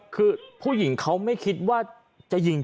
คือผู้หญิงเขาไม่คิดด้วย